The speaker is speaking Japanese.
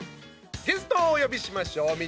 ゲストを呼びしましょう。